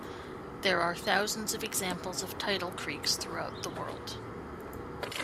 There are thousands of examples of tidal creeks throughout the world.